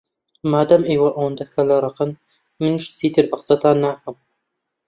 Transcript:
مادام ئێوە ئەوەندە کەللەڕەقن، منیش چیتر بە قسەتان ناکەم.